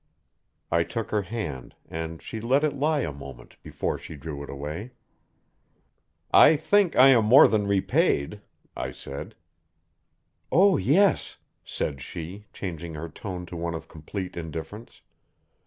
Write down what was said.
I took her hand, and she let it lie a moment before she drew it away. "I think I am more than repaid," I said. "Oh, yes," said she, changing her tone to one of complete indifference.